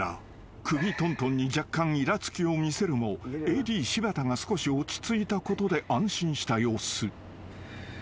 首とんとんに若干いらつきを見せるもＡＤ柴田が少し落ち着いたことで安心した様子］